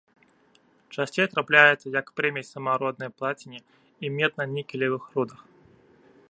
Часцей трапляецца як прымесь самароднай плаціне і медна-нікелевых рудах.